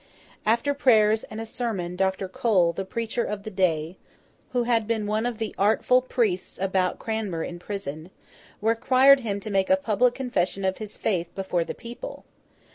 After prayers and a sermon, Dr. Cole, the preacher of the day (who had been one of the artful priests about Cranmer in prison), required him to make a public confession of his faith before the people.